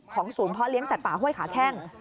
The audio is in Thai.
ศูนย์พ่อเลี้ยสัตว์ป่าห้วยขาแข้ง